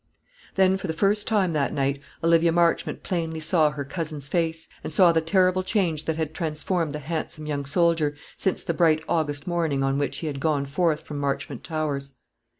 Then for the first time that night Olivia Marchmont plainly saw her cousin's face, and saw the terrible change that had transformed the handsome young soldier, since the bright August morning on which he had gone forth from Marchmont Towers.